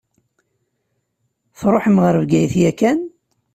Tṛuḥem ɣer Bgayet yakan?